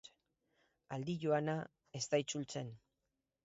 Aldi joana ez da itzultzen.